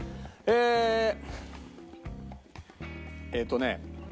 えーっとね